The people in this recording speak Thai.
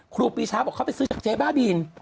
ครูปีชาบอกเขาไปซื้อจากเจ๊บ้าบิน